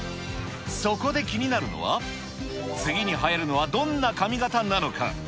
そこで気になるのは、次にはやるのはどんな髪形なのか。